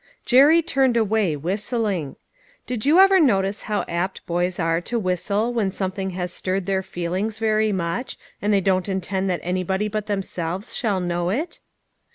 JERRY turned away whistling. Did you ever notice how apt boys are to whistle when something has stirred their feelings very much, and they don't intend that anybody but themselves shall know it